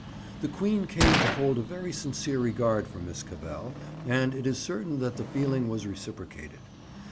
The Queen came to hold a very sincere regard for Miss Cavell, and it is certain that the feeling was reciprocated.